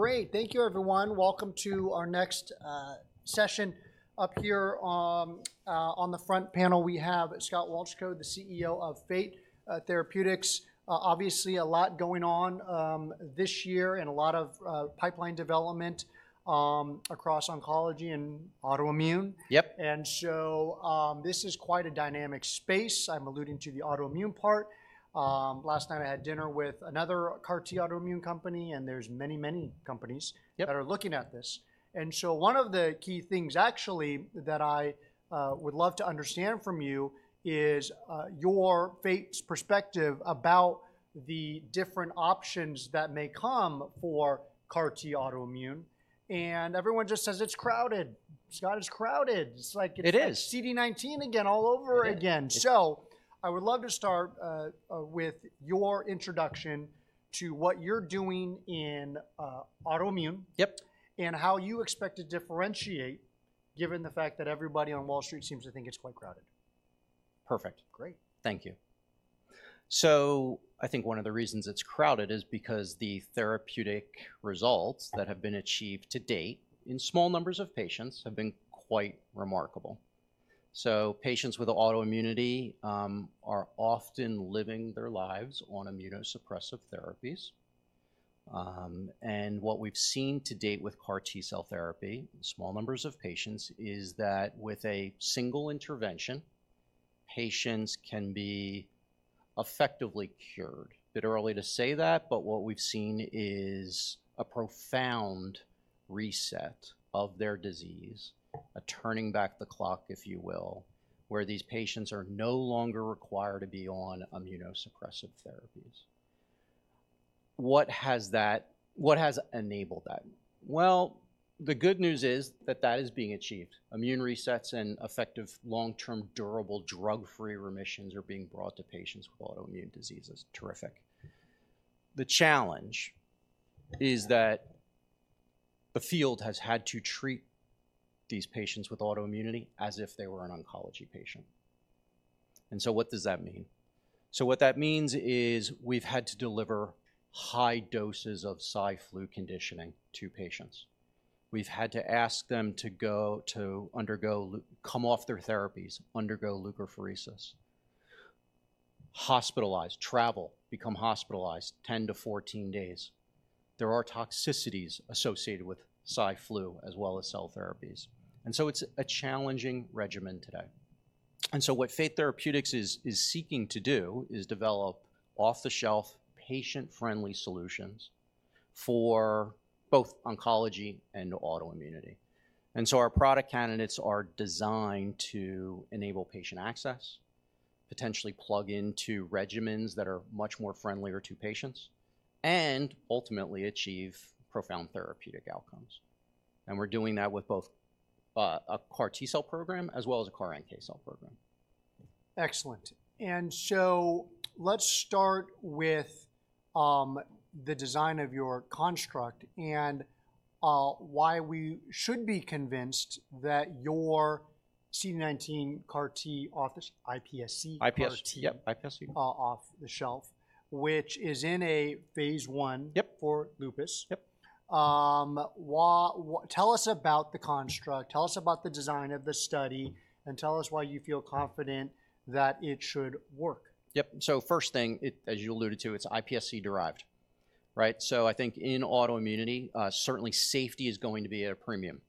Great. Thank you, everyone. Welcome to our next session. Up here on the front panel, we have Scott Wolchko, the CEO of Fate Therapeutics. Obviously, a lot going on this year and a lot of pipeline development across oncology and autoimmune. Yep. This is quite a dynamic space. I'm alluding to the autoimmune part. Last night I had dinner with another CAR T autoimmune company, and there's many, many companies- Yep. -that are looking at this. And so one of the key things actually that I would love to understand from you is your Fate's perspective about the different options that may come for CAR T autoimmune. And everyone just says, "It's crowded. Scott, it's crowded." It's like- It is! CD19 again, all over again. It is. I would love to start with your introduction to what you're doing in autoimmune- Yep how you expect to differentiate, given the fact that everybody on Wall Street seems to think it's quite crowded? Perfect. Great. Thank you. So I think one of the reasons it's crowded is because the therapeutic results that have been achieved to date in small numbers of patients have been quite remarkable. So patients with autoimmunity are often living their lives on immunosuppressive therapies. And what we've seen to date with CAR T-cell therapy, small numbers of patients, is that with a single intervention, patients can be effectively cured. Bit early to say that, but what we've seen is a profound reset of their disease, a turning back the clock, if you will, where these patients are no longer required to be on immunosuppressive therapies. What has enabled that? Well, the good news is that that is being achieved. Immune resets and effective long-term, durable, drug-free remissions are being brought to patients with autoimmune diseases. Terrific. The challenge is that the field has had to treat these patients with autoimmunity as if they were an oncology patient. And so what does that mean? So what that means is we've had to deliver high doses of Cy/Flu conditioning to patients. We've had to ask them to come off their therapies, undergo leukapheresis, hospitalize, travel, become hospitalized 10-14 days. There are toxicities associated with Cy/Flu as well as cell therapies, and so it's a challenging regimen today. And so what Fate Therapeutics is, is seeking to do is develop off-the-shelf, patient-friendly solutions for both oncology and autoimmunity. And so our product candidates are designed to enable patient access, potentially plug into regimens that are much more friendlier to patients, and ultimately achieve profound therapeutic outcomes. We're doing that with both a CAR T-cell program as well as a CAR NK cell program. Excellent. Let's start with the design of your construct and why we should be convinced that your CD19 CAR T, or iPSC- iPSC, yep... CAR T, off-the-shelf, which is in a phase I- Yep -for lupus. Yep. Tell us about the construct, tell us about the design of the study, and tell us why you feel confident that it should work? Yep. So first thing, it, as you alluded to, it's iPSC-derived, right? So I think in autoimmunity, certainly safety is going to be at a premium.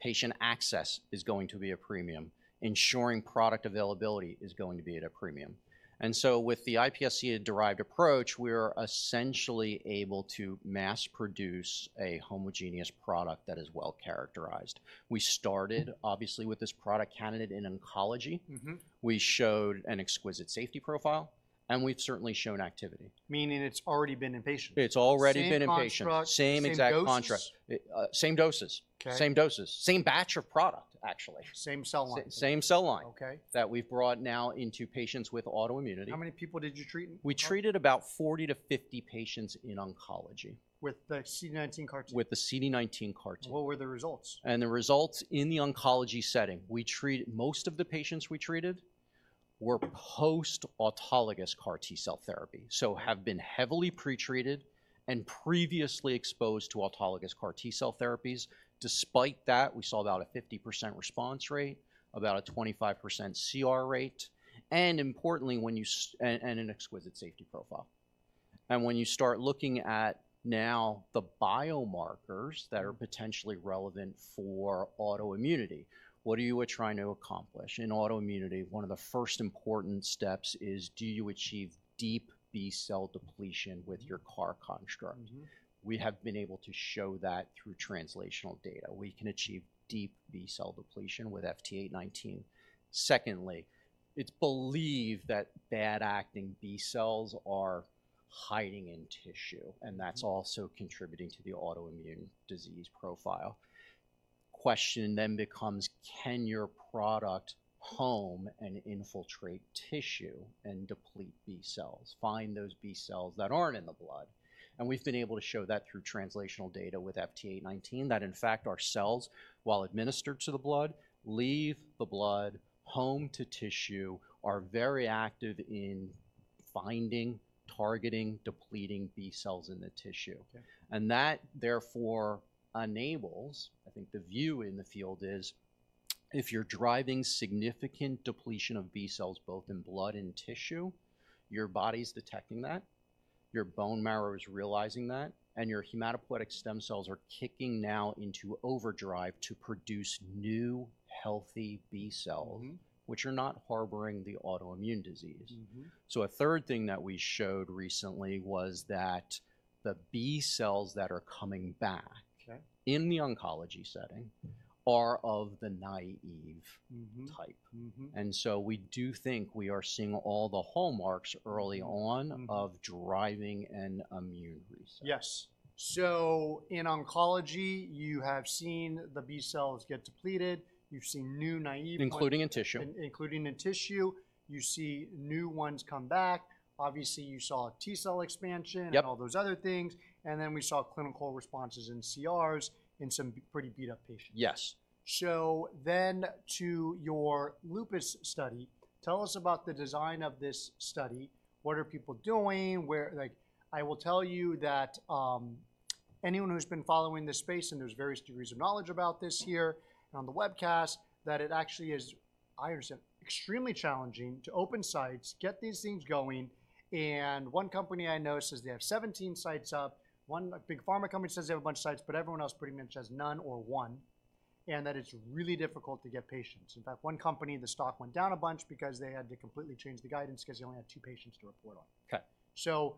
Patient access is going to be a premium. Ensuring product availability is going to be at a premium. And so with the iPSC-derived approach, we're essentially able to mass-produce a homogeneous product that is well characterized. We started, obviously, with this product candidate in oncology. Mm-hmm. We showed an exquisite safety profile, and we've certainly shown activity. Meaning it's already been in patients? It's already been in patients. Same construct? Same exact construct. Same doses? Same doses. Okay. Same doses. Same batch of product, actually. Same cell line. Same cell line- Okay... that we've brought now into patients with autoimmunity. How many people did you treat? We treated about 40-50 patients in oncology. With the CD19 CAR T? With the CD19 CAR T. What were the results? The results in the oncology setting, we treated. Most of the patients we treated were post-autologous CAR T-cell therapy, so have been heavily pretreated and previously exposed to autologous CAR T-cell therapies. Despite that, we saw about a 50% response rate, about a 25% CR rate, and importantly, and an exquisite safety profile. And when you start looking at now the biomarkers that are potentially relevant for autoimmunity, what you are trying to accomplish? In autoimmunity, one of the first important steps is, do you achieve deep B-cell depletion with your CAR construct? Mm-hmm. We have been able to show that through translational data. We can achieve deep B-cell depletion with FT819. Secondly, it's believed that bad acting B cells are hiding in tissue, and that's also contributing to the autoimmune disease profile. Question then becomes: Can your product home and infiltrate tissue and deplete B cells, find those B cells that aren't in the blood? And we've been able to show that through translational data with FT819, that in fact, our cells, while administered to the blood, leave the blood home to tissue, are very active in finding, targeting, depleting B cells in the tissue. Okay. And that, therefore, enables. I think the view in the field is, if you're driving significant depletion of B cells, both in blood and tissue, your body's detecting that, your bone marrow is realizing that, and your hematopoietic stem cells are kicking now into overdrive to produce new, healthy B cells- Mm-hmm... which are not harboring the autoimmune disease. Mm-hmm. A third thing that we showed recently was that the B cells that are coming back- Okay... in the oncology setting are of the naive- Mm-hmm... type. Mm-hmm. And so we do think we are seeing all the hallmarks early on- Mm-hmm... of driving an immune reset. Yes. So in oncology, you have seen the B cells get depleted, you've seen new naive- Including in tissue. Including in tissue. You see new ones come back. Obviously, you saw T cell expansion. Yep... and all those other things, and then we saw clinical responses in CRs in some pretty beat-up patients. Yes. So then to your lupus study, tell us about the design of this study. What are people doing? Where, like, I will tell you that, anyone who's been following this space, and there's various degrees of knowledge about this here and on the webcast, that it actually is, I understand, extremely challenging to open sites, get these things going, and one company I know says they have 17 sites up. One, a big pharma company says they have a bunch of sites, but everyone else pretty much has none or one, and that it's really difficult to get patients. In fact, one company, the stock went down a bunch because they had to completely change the guidance because they only had two patients to report on. Okay.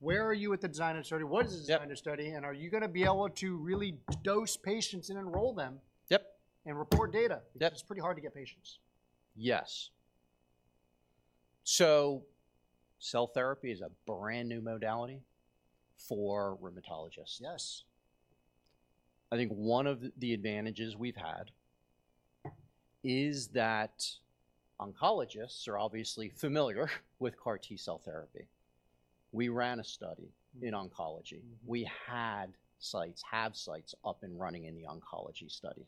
Where are you with the design of the study? Yep. What is the design of the study, and are you gonna be able to really dose patients and enroll them? Yep... and report data? Yep. Because it's pretty hard to get patients. Yes. So cell therapy is a brand-new modality for rheumatologists. Yes. I think one of the advantages we've had is that oncologists are obviously familiar with CAR T-cell therapy. We ran a study in oncology. Mm-hmm. We had sites, have sites up and running in the oncology study.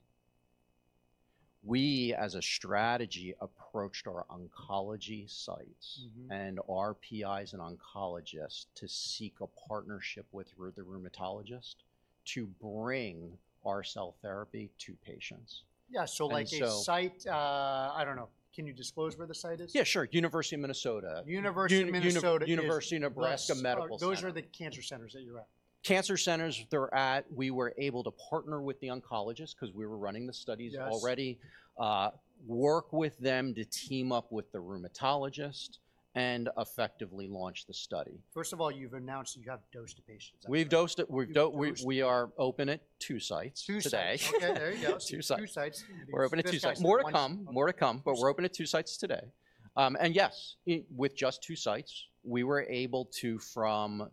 We, as a strategy, approached our oncology sites- Mm-hmm... and our PIs and oncologists to seek a partnership with the rheumatologist to bring our cell therapy to patients. Yeah, so like- And so-... a site, I don't know. Can you disclose where the site is? Yeah, sure. University of Minnesota. University of Minnesota. University of Nebraska Medical Center. Those are the cancer centers that you're at. cancer centers, we were able to partner with the oncologist because we were running the studies already. Yes... work with them to team up with the rheumatologist, and effectively launch the study. First of all, you've announced you have dosed patients, is that right? We've dosed it. You've dosed- We are open at 2 sites- Two sites... today. Okay, there you go. Two sites. Two sites. We're open at two sites. Two sites, one- More to come. More to come. Okay. But we're open at two sites today. And yes, with just two sites, we were able to, from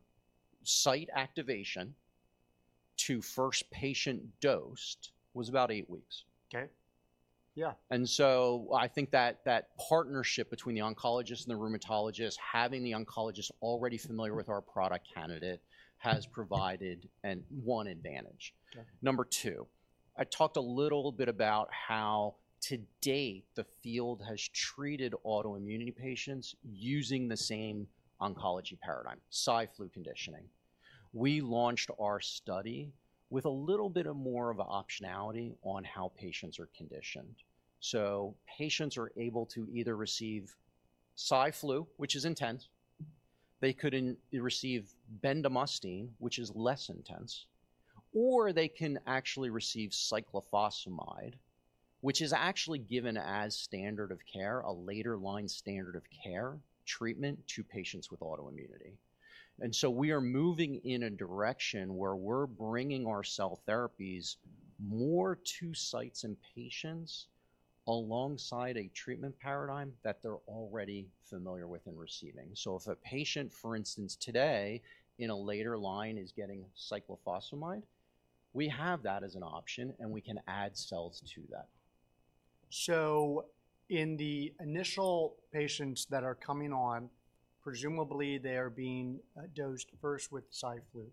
site activation to first patient dosed, was about eight weeks. Okay. Yeah. And so I think that partnership between the oncologist and the rheumatologist, having the oncologist already familiar with our product candidate, has provided one advantage. Okay. Number 2, I talked a little bit about how to date, the field has treated autoimmune patients using the same oncology paradigm, Cy/Flu conditioning. We launched our study with a little bit more of optionality on how patients are conditioned. So patients are able to either receive Cy/Flu, which is intense, they could receive Bendamustine, which is less intense, or they can actually receive Cyclophosphamide, which is actually given as standard of care, a later line standard of care treatment to patients with autoimmune. And so we are moving in a direction where we're bringing our cell therapies more to sites and patients alongside a treatment paradigm that they're already familiar with and receiving. So if a patient, for instance, today, in a later line, is getting Cyclophosphamide, we have that as an option, and we can add cells to that. So in the initial patients that are coming on, presumably they are being dosed first with Cy/Flu.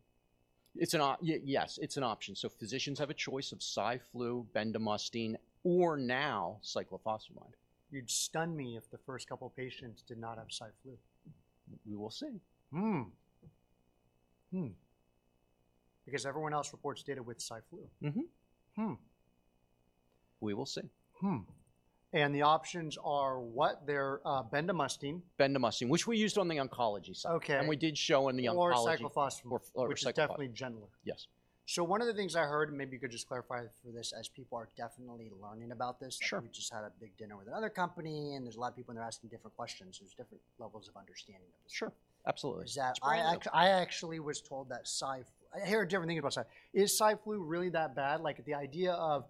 It's an option. Yes, it's an option. So physicians have a choice of cy flu, bendamustine, or now cyclophosphamide. You'd stun me if the first couple patients did not have Cy/Flu. We will see. Hmm. Hmm. Because everyone else reports data with Cy/Flu. Mm-hmm. Hmm. We will see. Hmm. The options are what? They're bendamustine- Bendamustine, which we used on the oncology side. Okay. We did show in the oncology- Or cyclophosphamide- Or cyclophosphamide... which is definitely gentler. Yes. One of the things I heard, and maybe you could just clarify for this, as people are definitely learning about this. Sure. We just had a big dinner with another company, and there's a lot of people in there asking different questions. There's different levels of understanding of this. Sure, absolutely. Is that- It's great. I actually was told that Cy/Flu. I hear different things about Cy/Flu. Is Cy/Flu really that bad? Like, the idea of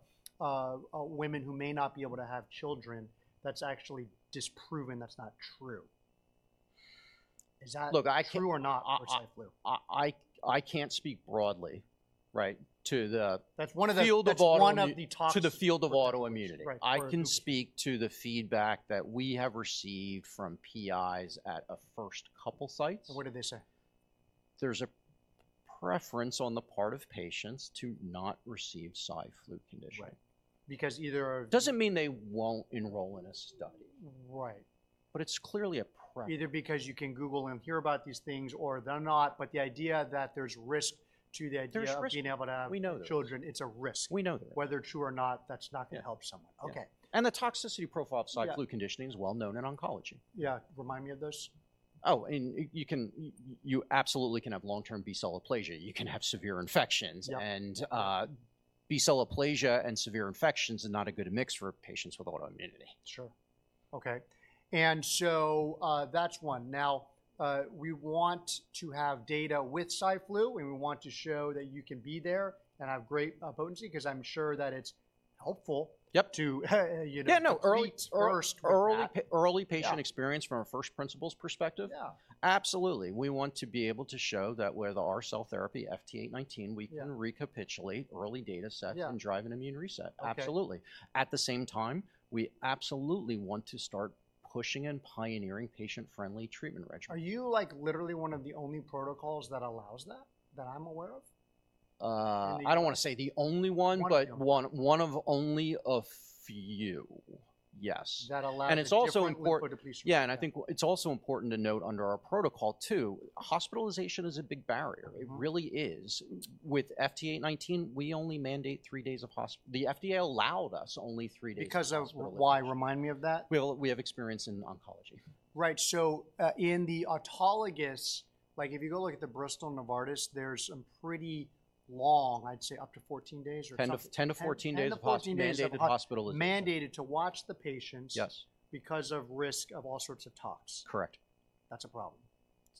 women who may not be able to have children, that's actually disproven, that's not true. Is that- Look, I can- true or not, for Cy/Flu? I can't speak broadly, right, to the- That's one of the- field of auto- That's one of the top- To the field of autoimmunity. Right. For autoimmunity. I can speak to the feedback that we have received from PIs at our first couple sites. What did they say?... there's a preference on the part of patients to not receive Cy/Flu conditioning. Right. Because either- Doesn't mean they won't enroll in a study. Right. But it's clearly a preference. Either because you can Google and hear about these things, or they're not, but the idea that there's risk to the idea- There's risk... of being able to have- We know children, it's a risk. We know that. Whether true or not, that's not- Yeah... gonna help someone. Yeah. Okay. The toxicity profile of Cy/Flu- Yeah... conditioning is well known in oncology. Yeah, remind me of those. Oh, and you can, you absolutely can have long-term B-cell aplasia. You can have severe infections- Yeah... and B-cell aplasia and severe infections are not a good mix for patients with autoimmunity. Sure. Okay. And so, that's one. Now, we want to have data with Cy/Flu, and we want to show that you can be there and have great potency, 'cause I'm sure that it's helpful- Yep... to, you know- Yeah, no, early- To treat first for that.... early patient- Yeah... experience from a first principles perspective. Yeah. Absolutely. We want to be able to show that with our cell therapy, FT819- Yeah... we can recapitulate early data sets- Yeah... and drive an immune reset. Okay. Absolutely. At the same time, we absolutely want to start pushing and pioneering patient-friendly treatment regimen. Are you, like, literally one of the only protocols that allows that, that I'm aware of? Uh- In the-... I don't wanna say the only one- One of the only... but one, one of only a few, yes. That allows- It's also important.... different lymphodepletion regimens. Yeah, and I think it's also important to note under our protocol, too, hospitalization is a big barrier. Mm-hmm. It really is. With FT819, we only mandate three days of hospitalization. The FDA allowed us only three days of hospitalization. Because of, why? Remind me of that. Well, we have experience in oncology. Right. So, in the autologous, like, if you go look at the Bristol Novartis, there's some pretty long, I'd say up to 14 days or something- 10-14 days of- 10-14 days of Mandated hospitalization... Mandated to watch the patients- Yes... because of risk of all sorts of tox. Correct. That's a problem.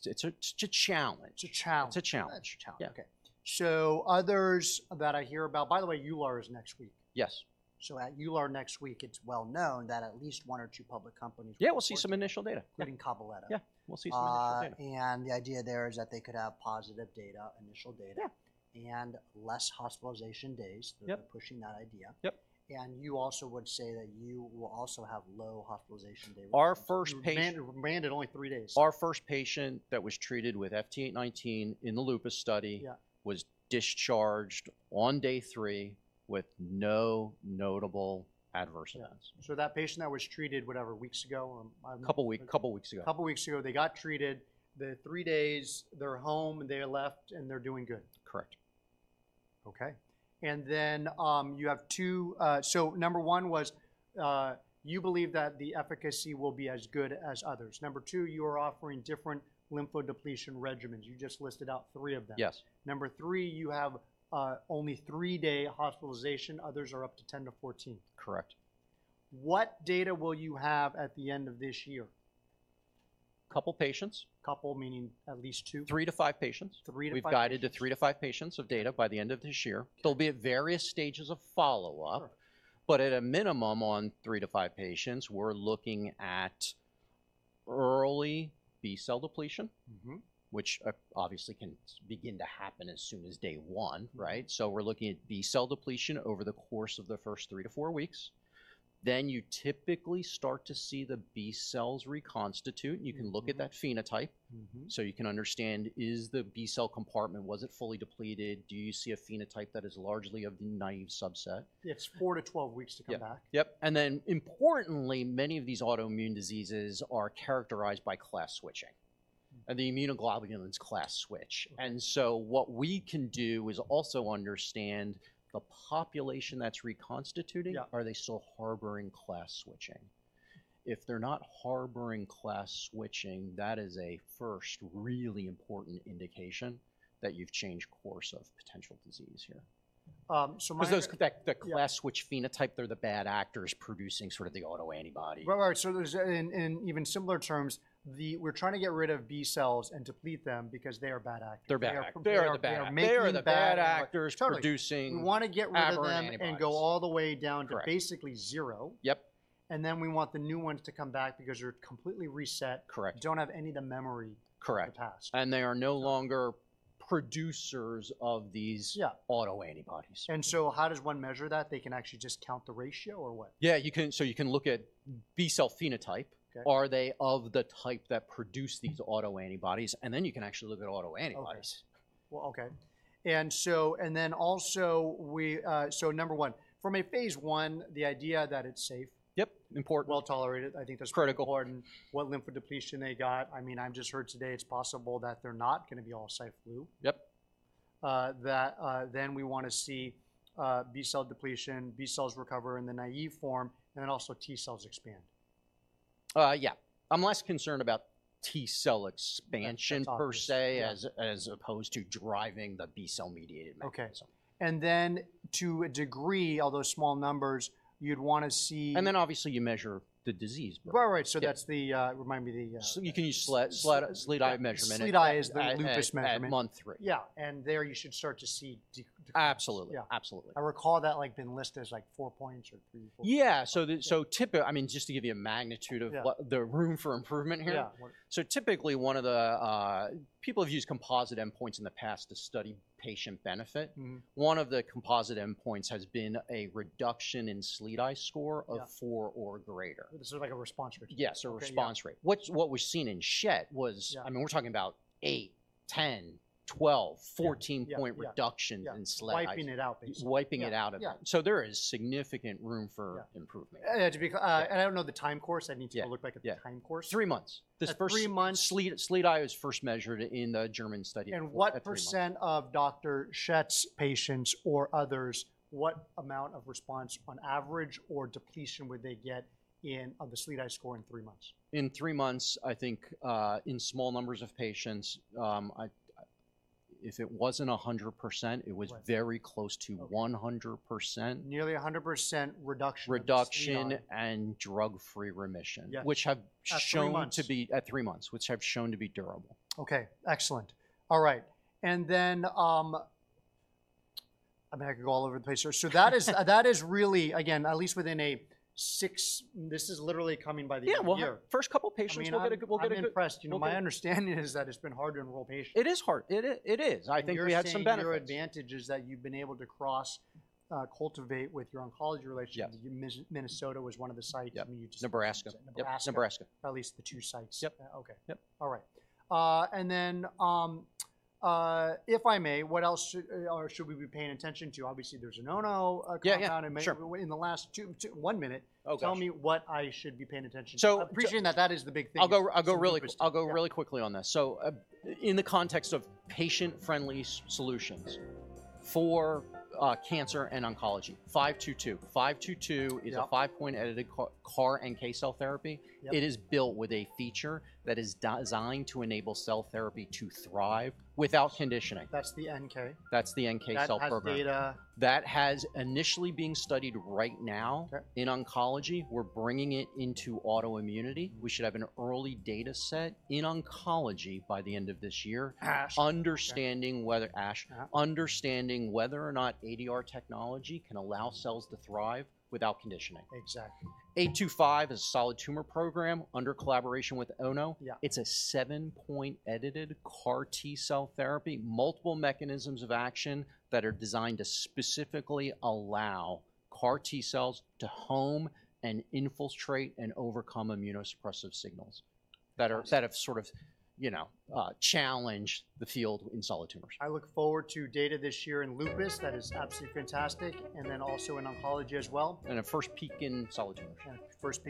It's a challenge. It's a challenge. It's a challenge. It's a challenge. Yeah. Okay. So others that I hear about... By the way, EULAR is next week. Yes. At EULAR next week, it's well known that at least one or two public companies. Yeah, we'll see some initial data. Including Cabaletta. Yeah. We'll see some initial data. And the idea there is that they could have positive data, initial data- Yeah ... and less hospitalization days. Yep. They're pushing that idea. Yep. You also would say that you will also have low hospitalization days. Our first patient- You mandated only three days. Our first patient that was treated with FT819 in the lupus study- Yeah... was discharged on day three with no notable adverse events. Yeah. So that patient that was treated, whatever, weeks ago, Couple weeks ago. Couple weeks ago, they got treated, the 3 days, they're home, they left, and they're doing good? Correct. Okay. You have 2. Number 1 was, you believe that the efficacy will be as good as others. Number 2, you are offering different lymphodepletion regimens. You just listed out 3 of them. Yes. Number 3, you have only 3-day hospitalization, others are up to 10-14. Correct. What data will you have at the end of this year? Couple patients. Couple meaning at least two? 3-5 patients. 3-5 patients. We've guided to 3-5 patients of data by the end of this year. Okay. They'll be at various stages of follow-up. Sure. But at a minimum, on 3-5 patients, we're looking at early B-cell depletion. Mm-hmm... which, obviously can begin to happen as soon as day one, right? So we're looking at B-cell depletion over the course of the first 3-4 weeks. Then you typically start to see the B cells reconstitute, and you can look at that phenotype- Mm-hmm... so you can understand, is the B-cell compartment, was it fully depleted? Do you see a phenotype that is largely of the naive subset? It's 4-12 weeks to come back. Yep, yep. And then importantly, many of these autoimmune diseases are characterized by class switching, and the immunoglobulins class switch. Okay. And so what we can do is also understand the population that's reconstituting- Yeah... are they still harboring class switching? If they're not harboring class switching, that is a first really important indication that you've changed course of potential disease here. So my- 'Cause those, the class- Yeah... switch phenotype. They're the bad actors producing sort of the autoantibody. Right, right. So there's, in even simpler terms, we're trying to get rid of B cells and deplete them because they are bad actors. They're bad actors. They are making- They are the bad actors. Totally... producing- We wanna get rid of them— Aberrant antibodies... and go all the way down to- Correct... basically zero. Yep. And then we want the new ones to come back because they're completely reset- Correct... don't have any of the memory- Correct... of the past. They are no longer producers of these- Yeah... autoantibodies. And so how does one measure that? They can actually just count the ratio or what? Yeah, you can, so you can look at B-cell phenotype. Okay. Are they of the type that produce these autoantibodies? And then you can actually look at autoantibodies. Okay. Well, okay. And so, and then also we, so number 1, from a phase 1, the idea that it's safe- Yep, important... well tolerated, I think that's- Critical... important. What lymphodepletion they got, I mean, I've just heard today it's possible that they're not gonna be all Cy/Flu. Yep. Then we wanna see B-cell depletion, B cells recover in the naive form, and then also T cells expand. Yeah. I'm less concerned about T-cell expansion- That's obvious... per se, as opposed to driving the B-cell-mediated mechanism. Okay. And then to a degree, although small numbers, you'd wanna see- Obviously you measure the disease. Right, right. Yeah. So that's the... You can use SLE, SLEDAI measurement. SLEDAI is the lupus measurement.... at month three. Yeah, and there you should start to see de- Absolutely. Yeah. Absolutely. I recall that, like, being listed as, like, 4 points or 3, 4- Yeah. So, I mean, just to give you a magnitude of- Yeah… what the room for improvement here. Yeah. Typically, one of the people have used composite endpoints in the past to study patient benefit. Mm-hmm. One of the composite endpoints has been a reduction in SLEDAI score- Yeah... of four or greater. This is like a response rate? Yes, a response rate. Okay, yeah. What we've seen in Schett was- Yeah... I mean, we're talking about 8, 10-... 12, 14-point- Yeah, yeah, yeah - reduction in SLEDAI. Wiping it out, basically. Wiping it out of it. Yeah, yeah. There is significant room for- Yeah - improvement. And to be, and I don't know the time course. Yeah. I need to look back at the time course. Yeah, 3 months. This first- Three months? SLE SLEDAI was first measured in the German study at three months. What percent of Dr. Schett's patients or others, what amount of response on average or depletion would they get in, of the SLEDAI score in three months? In 3 months, I think, in small numbers of patients, if it wasn't 100%- Right... it was very close to 100%. Nearly 100% reduction of SLEDAI. Reduction and drug-free remission- Yes... which have shown to be- At 3 months. At 3 months, which have shown to be durable. Okay, excellent. All right, and then, I mean, I could go all over the place here. So that is, that is really, again, at least within a six... This is literally coming by the end of the year. Yeah, well, first couple patients, we'll get a good- I mean, I'm impressed. You know, my understanding is that it's been hard to enroll patients. It is hard. It is, it is, and I think we had some benefits. You're saying your advantage is that you've been able to cross-cultivate with your oncology relationships. Yeah. Minnesota was one of the sites- Yeah. I mean, you just- Nebraska. Nebraska. Yep, Nebraska. At least the two sites. Yep. Okay. Yep. All right. And then, if I may, what else should, or should we be paying attention to? Obviously, there's a Ono compound- Yeah, yeah, sure. In maybe in the last two one minute- Oh, gosh... tell me what I should be paying attention to. So- Appreciating that that is the big thing. I'll go really quick- Yeah. I'll go really quickly on this. So, in the context of patient-friendly solutions, for cancer and oncology, 522. 522 is- Yeah... a 5-point edited CAR, CAR NK cell therapy. Yep. It is built with a feature that is designed to enable cell therapy to thrive without conditioning. That's the NK? That's the NK cell program. That has data- That has initially been studied right now- Okay... in oncology. We're bringing it into autoimmunity. We should have an early data set in oncology by the end of this year. ASH. Understanding whether ASH. Uh-huh. Understanding whether or not ADR technology can allow cells to thrive without conditioning. Exactly. FT825 is a solid tumor program under collaboration with Ono. Yeah. It's a seven-point edited CAR T cell therapy, multiple mechanisms of action that are designed to specifically allow CAR T cells to home and infiltrate and overcome immunosuppressive signals that are- Yes... that have sort of, you know, challenged the field in solid tumors. I look forward to data this year in Lupus. That is absolutely fantastic, and then also in oncology as well. A first peek in solid tumors. Yeah, first peek-